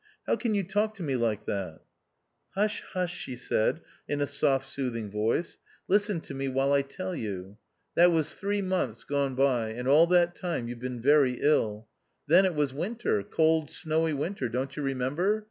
How can you talk to me like that ?"" Hush, hush," she said, in a soft soothing 2i8 THE OUTCAST. voice, " listen to me while I tell you. That was three months gone by, and all that time you've been very ill. Then it was winter — cold, snowy winter. Don't you remember